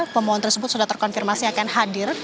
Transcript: pemohon tersebut sudah terkonfirmasi akan hadir